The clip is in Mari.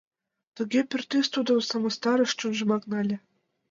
Туге пӱртӱс тудым сымыстарыш, чонжымак нале.